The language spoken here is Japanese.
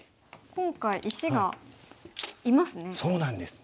今回石がいますね。